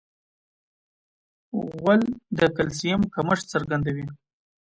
غول د کلسیم کمښت څرګندوي.